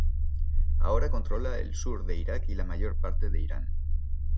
Ahora controla el sur de Irak y la mayor parte de Irán.